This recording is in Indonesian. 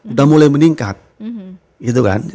udah mulai meningkat gitu kan